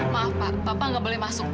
maaf pak bapak nggak boleh masuk